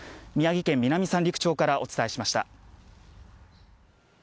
宮城県南三陸町からお伝えしました。